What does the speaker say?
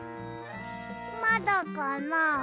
まだかな。